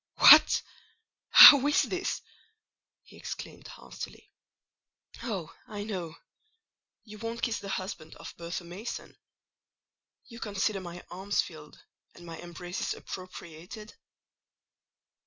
"What!—How is this?" he exclaimed hastily. "Oh, I know! you won't kiss the husband of Bertha Mason? You consider my arms filled and my embraces appropriated?"